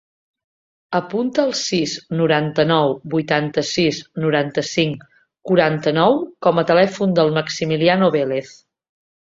Apunta el sis, noranta-nou, vuitanta-sis, noranta-cinc, quaranta-nou com a telèfon del Maximiliano Velez.